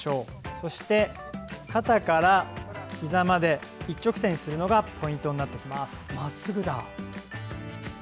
そして、肩からひざまで一直線にするのがポイントです。